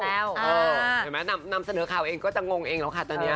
เห็นไหมนำเสนอข่าวเองก็จะงงเองแล้วค่ะตอนนี้